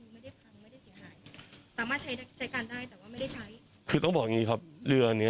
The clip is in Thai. หมุนเวียนน้ำในห้องน้ำเนี้ยคือไม่ได้พังไม่ได้เสีย